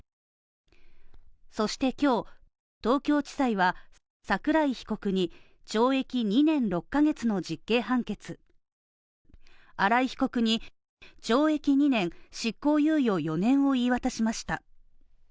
そして今日、東京地裁は桜井被告に懲役２年６ヶ月の実刑判決新井被告に懲役２年執行猶予４年を言い渡しました。